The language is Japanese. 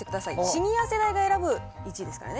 シニア世代が選ぶ１位ですからね。